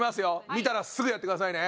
見たらすぐやってくださいね。